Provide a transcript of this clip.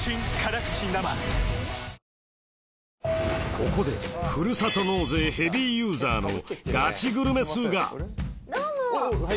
ここでふるさと納税ヘビーユーザーのガチグルメ通がどうも！